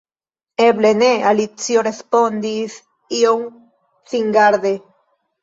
"Eble ne," Alicio respondis iom singarde